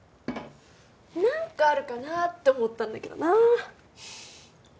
何かあるかなーって思ったんだけどな